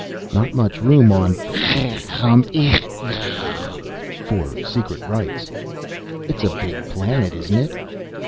"Not much room on Cirgamesç for secret rites." "It's a big planet, isn't it?"